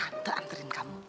eh tante anterin kamu